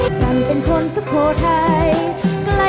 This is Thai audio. จับหมา